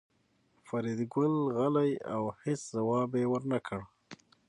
فریدګل غلی و او هېڅ ځواب یې ورنکړ